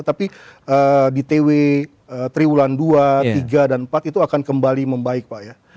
tapi di tw triwulan dua tiga dan empat itu akan kembali membaik pak ya